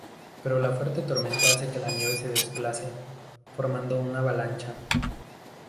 Pero la fuerte tormenta hace que la nieve se desplace, formando una avalancha.